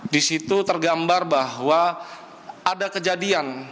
di situ tergambar bahwa ada kejadian